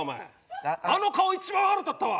あの顔一番腹立ったわ！